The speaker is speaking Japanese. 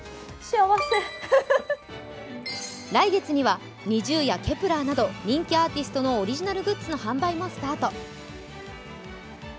来月にはＮｉｚｉＵやＫｅｐ１ｅｒなど人気アーティストのオリジナルグッズの販売もスタート。